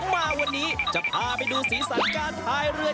มาวันนี้จะพาไปดูสีสันการพายเรือ